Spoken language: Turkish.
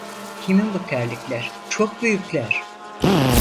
Kimin bu terlikler, çok büyükler.